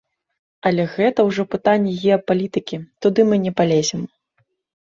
Але гэта ўжо пытанні геапалітыкі, туды мы не палезем.